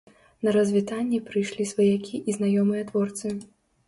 На развітанне прыйшлі сваякі і знаёмыя творцы.